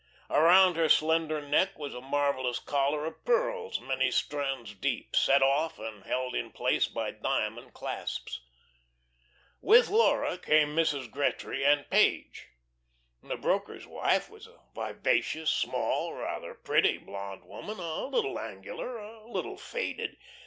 Around her slender neck was a marvellous collar of pearls many strands deep, set off and held in place by diamond clasps. With Laura came Mrs. Gretry and Page. The broker's wife was a vivacious, small, rather pretty blonde woman, a little angular, a little faded.